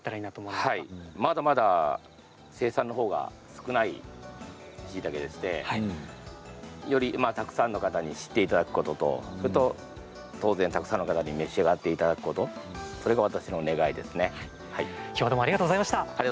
まだまだ生産のほうが少ないしいたけでしてよりたくさんの方に知っていただくこととそれと当然たくさんの方に召し上がっていただくこときょうはどうもありがとうございました。